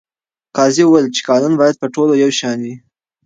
قاضي وویل چې قانون باید په ټولو یو شان وي.